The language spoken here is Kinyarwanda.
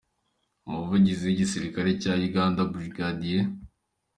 Umuvugizi w’ igisirikare cya Uganda Brig.